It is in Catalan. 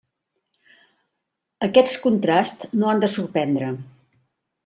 Aquests contrasts no han de sorprendre.